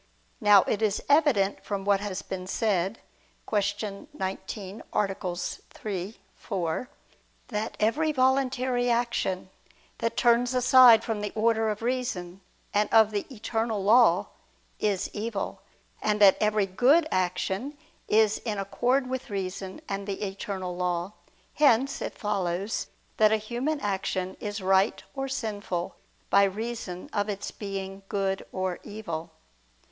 Now it is evident from what has been said (Q. 19, AA. 3, 4) that every voluntary action that turns aside from the order of reason and of the Eternal Law, is evil, and that every good action is in accord with reason and the Eternal Law. Hence it follows that a human action is right or sinful by reason of its being good or evil.